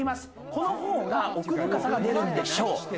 このほうが奥深さが出るんでしょう。